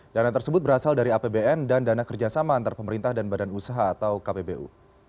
dana tersebut berasal dari apbn dan dana kerjasama antar pemerintah dan badan usaha atau kpbu